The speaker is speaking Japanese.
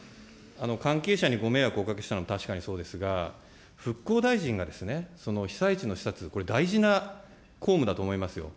関係者にご迷惑をおかけしたの、確かにそうですが、復興大臣がですね、被災地の視察、これ、大事な公務だと思いますよ。